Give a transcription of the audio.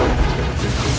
aku harus lebih berhati hati